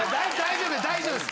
大丈夫です！